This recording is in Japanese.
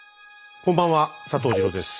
こんばんは佐藤二朗です。